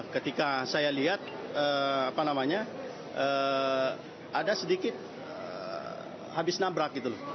ketika saya lihat ada sedikit habis nabrak gitu loh